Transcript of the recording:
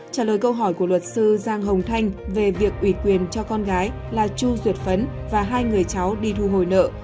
trả lời câu hỏi của luật sư giang hồng thanh về việc ủy quyền cho con gái là chu duyệt phấn và hai người cháu đi thu hồi nợ